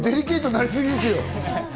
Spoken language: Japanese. デリケートになりすぎですよ。